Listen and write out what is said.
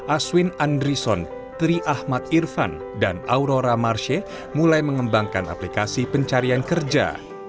aswin andrison tri ahmad irfan dan aurora marshe mulai mengembangkan aplikasi pencarian kerja